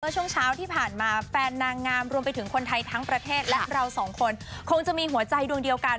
ช่วงเช้าที่ผ่านมาแฟนนางงามรวมไปถึงคนไทยทั้งประเทศและเราสองคนคงจะมีหัวใจดวงเดียวกัน